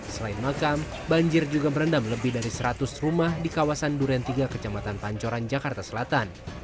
selain makam banjir juga merendam lebih dari seratus rumah di kawasan duren tiga kecamatan pancoran jakarta selatan